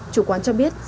chủ quán cho biết